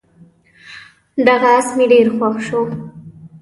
دغه اس مې ډېر خوښ شو.